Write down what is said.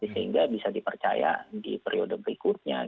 sehingga bisa dipercaya di periode berikutnya